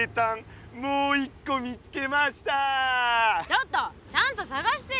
ちょっとちゃんとさがしてよ！